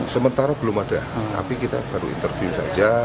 sementara belum ada tapi kita baru interview saja